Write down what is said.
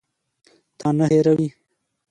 تا نه هېروي.